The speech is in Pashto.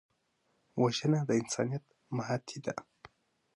وژنه د انسانیت ماتې ده